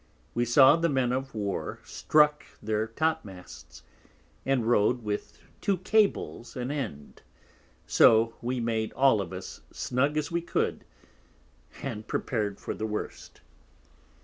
We saw the Men of War struck their Top masts, and rode with two Cables an end: so we made all as snug as we could, and prepar'd for the worst.